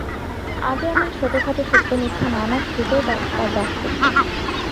আগে এমন ছোটোখাটো সত্যমিথ্যা নানা ছুতোয় তাঁর ডাক পড়ত।